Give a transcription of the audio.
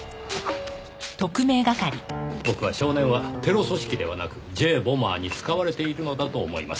僕は少年はテロ組織ではなくＪ・ボマーに使われているのだと思います。